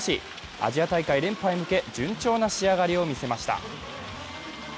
アジア大会連覇へ向け、順調な仕上がりを見せました。